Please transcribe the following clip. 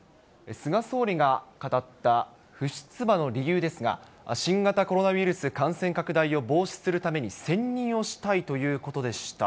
菅総理が語った不出馬の理由ですが、新型コロナウイルス感染拡大を防止するために専任をしたいということでした。